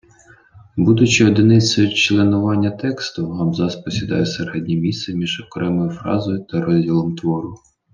Будучи одиницею членування тексту, абзац посідає середнє місце між окремою фразою та розділом твору.